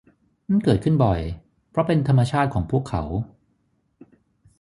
นั่นเกิดขึ้นบ่อยเพราะเป็นธรรมชาติของพวกเขา